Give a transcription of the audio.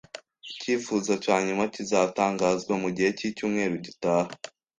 Icyifuzo cya nyuma kizatangazwa mugihe cyicyumweru gitaha